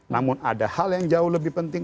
namun ada hal yang jauh lebih penting